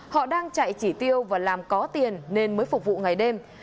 họ đang chạy chỉ tiêu và làm có tiền nên mới phục vụ ngày đêm